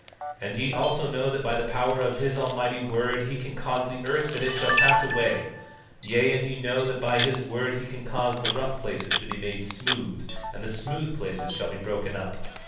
17:46 And ye also know that by the power of his almighty word he can cause the earth that it shall pass away; yea, and ye know that by his word he can cause the rough places to be made smooth, and smooth places shall be broken up.